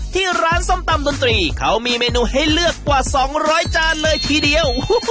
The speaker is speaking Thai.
ที่ร้านส้มตำดนตรีเขามีเมนูให้เลือกกว่า๒๐๐จานเลยทีเดียว